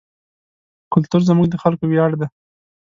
کلتور زموږ د خلکو ویاړ دی.